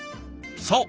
そう。